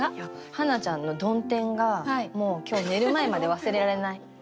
ハンナちゃんの「曇天」がもう今日寝る前まで忘れられない。